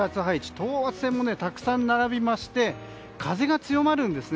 等圧線もたくさん並びまして風が強まるんですね。